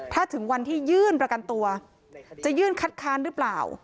ถ้าถึงวันที่ยื่นประกันตัวจะยื่นคัดค้านหรือเปล่า